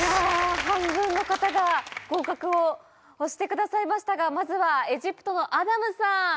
半分の方が合格を押してくださいましたが、まずはエジプトのアダムさん。